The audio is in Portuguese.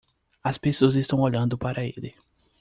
As pessoas estão olhando para ele.